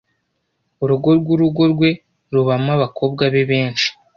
urugo rwurugo rwe rubamo abakobwa be benshi